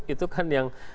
itu kan yang penting